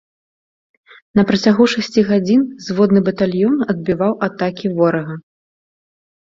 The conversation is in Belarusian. На працягу шасці гадзін зводны батальён адбіваў атакі ворага.